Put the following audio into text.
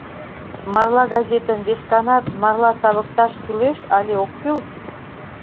Марла газетым весканат марла савыкташ кӱлеш але ок кӱл?»